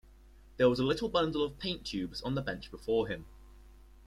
There was a little bundle of paint-tubes on the bench before him.